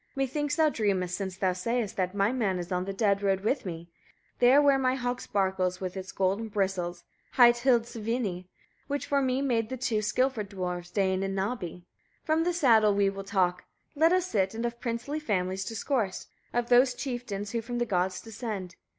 methinks thou dreamest, since thou sayest that my man is on the dead road with me; there where my hog sparkles with its golden bristles, hight Hildisvini, which for me made the two skilful dwarfs, Dain and Nabbi. From the saddle we will talk: let us sit, and of princely families discourse, of those chieftains who from the gods descend.